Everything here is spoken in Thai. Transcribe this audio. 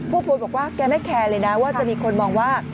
โพสต์บอกว่าแกไม่แคร์เลยนะว่าจะมีคนมองว่า